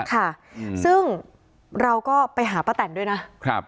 ค่ะซึ่งเราก็ไปหาป้าแตนด้วยนะครับ